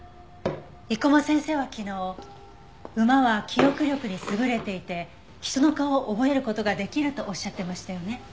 生駒先生は昨日馬は記憶力に優れていて人の顔を覚える事ができるとおっしゃってましたよね。